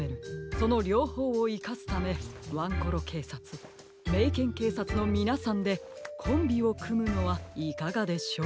そのりょうほうをいかすためワンコロけいさつメイケンけいさつのみなさんでコンビをくむのはいかがでしょう？